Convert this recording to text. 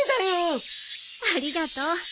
ありがとう。